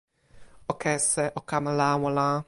o kese, o kamalawala.